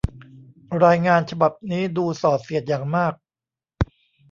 รายงานฉบับนี้ดูส่อเสียดอย่างมาก